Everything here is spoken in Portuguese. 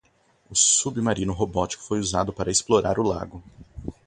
O submarino robótico foi usado para explorar o lago.